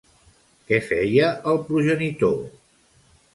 Què feia el progenitor?